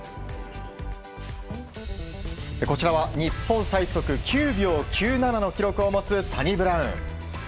こちらは日本最速９秒９７の記録を持つサニブラウン。